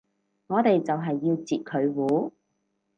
我哋就係要截佢糊